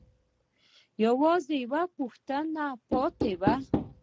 يوازې يوه پوښتنه پاتې وه.